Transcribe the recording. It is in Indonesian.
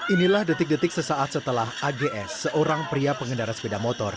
inilah detik detik sesaat setelah ags seorang pria pengendara sepeda motor